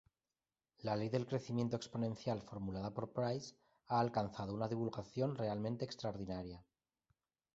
La ley del crecimiento exponencial formulada por Price ha alcanzado una divulgación realmente extraordinaria.